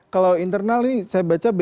kalau internal ini saya baca